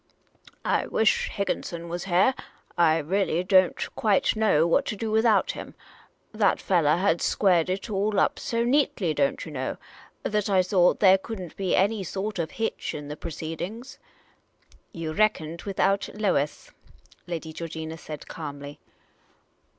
I wish Higginson was heah. I really don't quite know what to do without him. That fellah had squared it all up so neatly, don't yah know, that I thought there could n't be any sort of hitch in the proceedings." "You reckoned without Lois," Lady Georgina said, calmly.